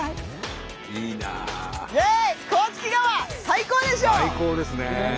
最高ですね。